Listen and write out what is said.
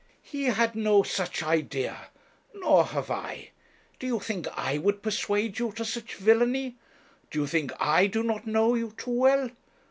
'He had no such idea nor have I. Do you think I would persuade you to such villany? Do you think I do not know you too well?